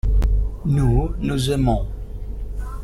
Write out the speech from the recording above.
Nous, nous aimons.